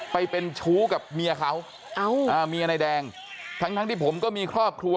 ไปเป็นชู้กับเมียเขาอ่าเมียนายแดงทั้งทั้งที่ผมก็มีครอบครัว